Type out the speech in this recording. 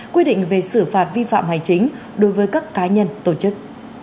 quy định về xử phạt vi phạm hành chính đối với các cá nhân tổ chức